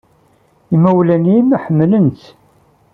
Imawlan-nnem ḥemmlen-tt.